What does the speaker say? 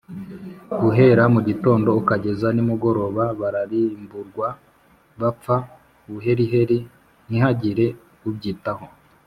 guhera mu gitondo ukageza nimugoroba bararimburwa, bapfa buheriheri ntihagire ubyitaho